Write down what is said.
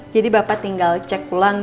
jadi bapak tinggal cek pulang